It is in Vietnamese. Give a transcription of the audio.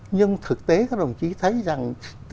nhưng thực tế các đồng chí thấy rằng